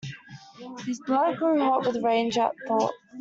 His blood grew hot with rage at the thought.